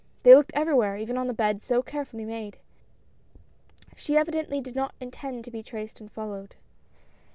They looked everywhere, even on the bed so carefully made. She evidently did not intend to be traced and followed.